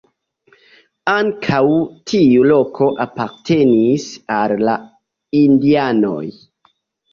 Ankaŭ tiu loko apartenis al la indianoj.